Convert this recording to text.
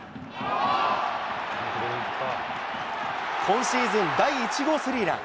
今シーズン第１号スリーラン。